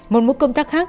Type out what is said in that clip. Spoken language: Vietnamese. một mũi công tác khác